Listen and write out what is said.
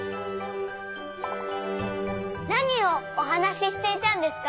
なにをおはなししていたんですか？